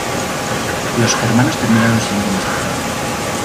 Los germanos terminaron siendo masacrados.